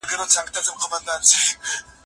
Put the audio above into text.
رېدي په زړه کې د مینې اور مړ نشو کړای.